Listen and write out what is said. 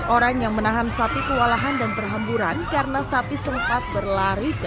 dua belas orang yang menahan sapi kewalahan dan perhamburan karena sapi sempat berlari ke